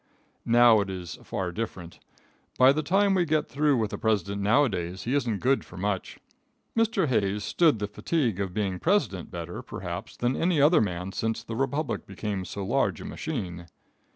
Now it is far different. By the time we get through with a president nowadays he isn't good for much. Mr. Hayes stood the fatigue of being president better, perhaps, than any other man since the republic became so large a machine.